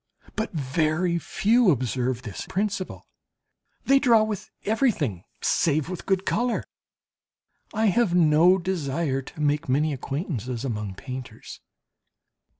But very few observe this principle, they draw with everything, save with good colour. I have no desire to make many acquaintances among painters.